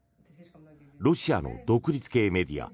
ロシアの独立系メディア